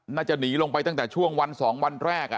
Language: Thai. น่าจะหนีลงไปตั้งแต่ช่วงวัน๒วันแรก